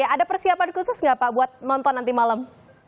ada persiapan khusus nggak pak buat nonton nanti malam